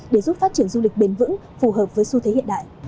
để giúp phát triển du lịch bền vững phù hợp với xu thế hiện đại